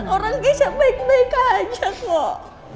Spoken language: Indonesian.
orang bisa baik baik aja kok